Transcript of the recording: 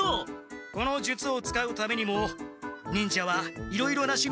この術を使うためにも忍者はいろいろなしゅみ